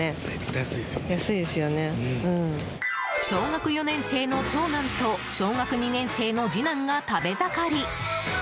小学４年生の長男と小学２年生の次男が食べ盛り。